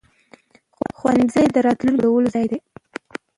ښوونځی د راتلونکي جوړولو ځای دی.